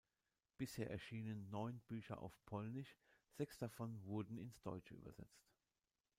Bisher erschienen neun Bücher auf Polnisch, sechs davon wurden ins Deutsche übersetzt.